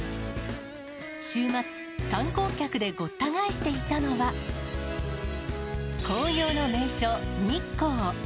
週末、観光客でごった返していたのは、紅葉の名所、日光。